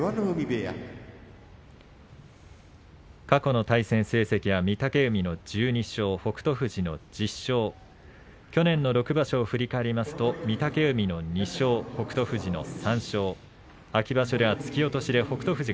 過去の対戦成績は御嶽海の１２勝北勝富士の１０勝去年の６場所を振り返りますと御嶽海の２勝、北勝富士の３勝秋場所では突き落としで北勝